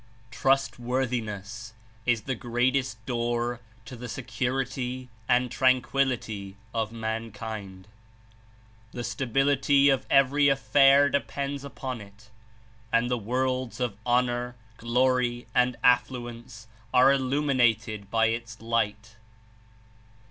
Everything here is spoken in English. "Trustworthiness is the greatest door to the se curity and tranquility of mankind. The stability of every affair depends upon It, and the worlds of honor, glory and affluence are illuminated by Its light."